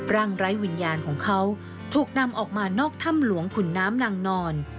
ไร้วิญญาณของเขาถูกนำออกมานอกถ้ำหลวงขุนน้ำนางนอน